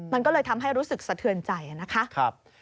มันก็เลยทำให้รู้สึกสะเทือนใจนะคะ